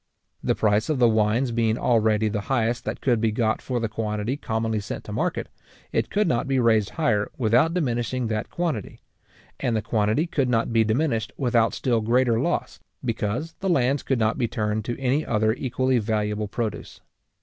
The price of the wines being already the highest that could be got for the quantity commonly sent to market, it could not be raised higher without diminishing that quantity; and the quantity could not be diminished without still greater loss, because the lands could not be turned to any other equally valuable produce.